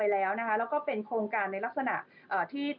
แล้วก็เป็นโครงการในลักษณะที่